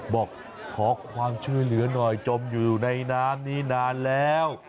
บอกขอความช่วยเหลือหน่อยจมอยู่ในน้ำนี้นานแล้ว